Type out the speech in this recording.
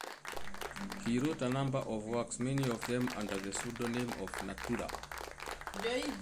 He wrote a number of works, many of them under the pseudonym of “Natura”.